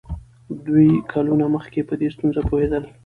دوی کلونه مخکې په دې ستونزه پوهېدل.